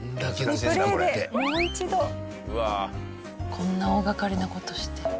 こんな大掛かりな事して。